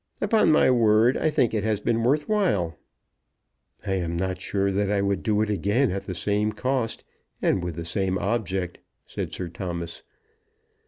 Upon my word, I think it has been worth while." "I am not sure that I would do it again at the same cost, and with the same object," said Sir Thomas.